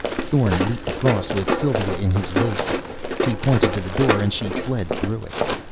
Thorn leaped across with Sylva in his wake. He pointed to the door, and she fled through it.